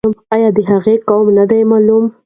آیا د هغې قوم نه دی معلوم؟